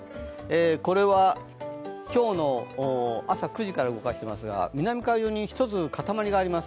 これは、今日の朝９時から動かしていますが、南海上に１つ、塊があります。